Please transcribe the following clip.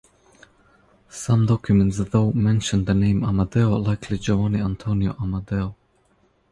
Some documents though mention the name "Amadeo", likely Giovanni Antonio Amadeo.